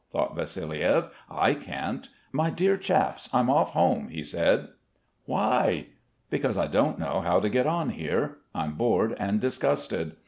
thought Vassiliev. "I can't. My dear chaps, I'm off home," he said. "Why?" "Because I don't know how to get on here. I'm bored and disgusted.